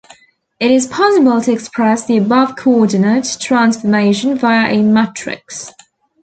It is possible to express the above coordinate transformation via a matrix.